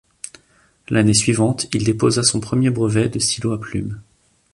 L'année suivante, il déposa son premier brevet de stylo à plume.